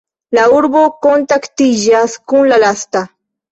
La urbo kontaktiĝas kun la lasta.